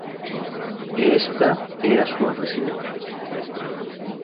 E esta é a súa residencia.